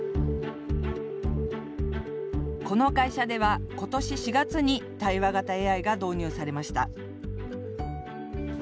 この会社では、今年４月に対話型ＡＩが導入されました。